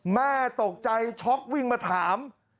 แม่ตกใจช็อกวิ่งมาถาม